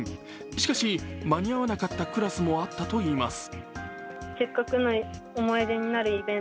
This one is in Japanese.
しかし、間に合わなかったクラスもあったといいます。